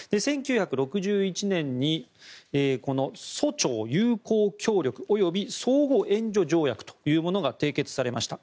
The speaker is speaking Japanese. １９６１年にソ朝友好協力及び相互援助条約というものが締結されました。